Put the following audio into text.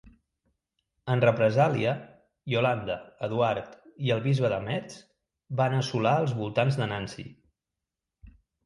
En represàlia, Iolanda, Eduard i el bisbe de Metz van assolar els voltants de Nancy.